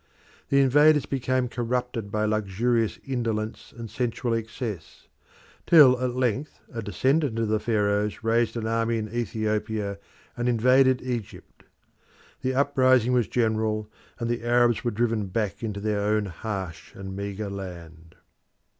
The invaders became corrupted by luxurious indolence and sensual excess, till at length a descendant of the Pharaohs raised an army in Ethiopia and invaded Egypt. The uprising was general, and the Arabs were driven back into their own harsh and meagre land.